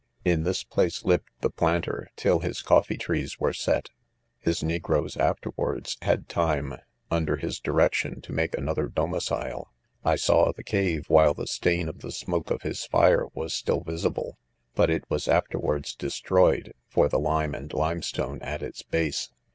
In this place lived the planter, till his coffee trees were set, his negroes, afterwards, had time, under his direction, to make another domicile. I saw the cave, while the stain of the smoke of his fire was still visible,' but it was afterwards destroyed, for the lime and limestone at its base.